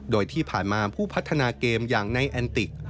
โดยที่ผ่านมาผู้พัฒนาเกมอย่างในแอนติก